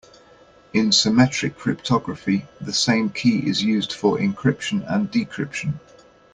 In symmetric cryptography the same key is used for encryption and decryption.